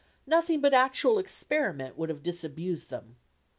Nothing but actual experiment would have disabused them.